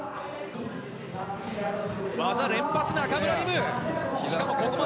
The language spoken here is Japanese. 技連発、中村輪夢。